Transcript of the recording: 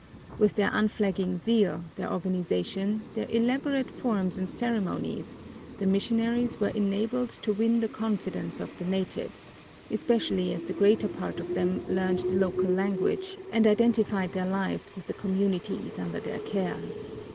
With their unflagging zeal, their organization, their elaborate forms and ceremonies, the missionaries were enabled to win the confidence of the natives, especially as the greater part of them learned the local language and identified their lives with the communities under their care.